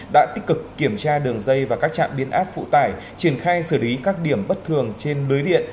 đã tích cực kiểm tra đường dây và các trạm biến áp phụ tải triển khai xử lý các điểm bất thường trên lưới điện